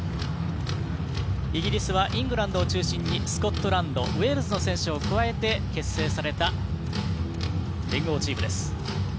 イギリスはイングランドを中心にスコットランドウェールズの選手を加えて結成された連合チームです。